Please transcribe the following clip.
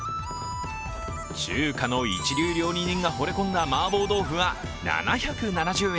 中華の一流料理人がほれ込んだ麻婆豆腐は７７０円。